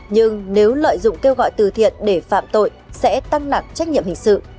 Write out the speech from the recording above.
nhưng nếu lợi dụng kêu gọi từ thiện để phạm tội sẽ tăng nặng trách nhiệm hình sự